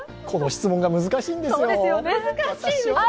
この質問が難しいんですよ。